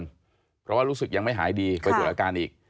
เพราะว่ารู้สึกยังไม่หายดีไปตรวจอาการอีก